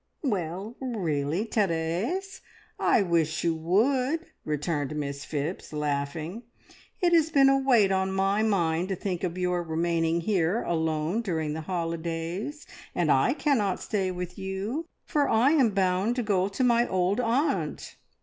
"Well, really, Therese, I wish you would!" returned Miss Phipps, laughing. "It has been a weight on my mind to think of your remaining here alone during the holidays; and I cannot stay with you, for I am bound to go to my old aunt.